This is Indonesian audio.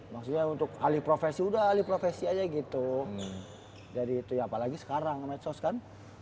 maksudnya untuk alih profesi udah alih profesi aja gitu dari itu ya apalagi sekarang medsos kan